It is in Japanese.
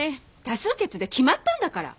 多数決で決まったんだから。